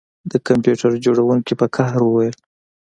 د کمپیوټر جوړونکي په قهر وویل